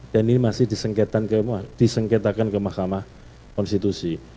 dan ini masih disengketakan ke mahkamah konstitusi